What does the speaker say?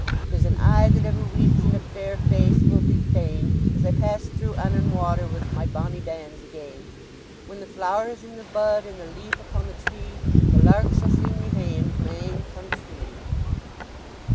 There's an eye that ever weeps, and a fair face will be fain, As I pass through Annan Water with my bonnie bands again; When the flower is in the bud, and the leaf upon the tree, The lark shall sing me hame to my ain countree!"